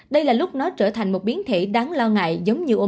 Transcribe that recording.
đây là lúc nó trở thành một biến thể đáng lo ngại giống như omicron